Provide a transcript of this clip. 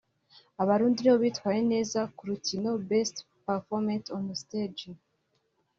Abarundi nibo bitwaye neza kurukiniro (Best performance on stage)